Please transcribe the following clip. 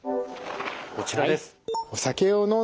こちらです。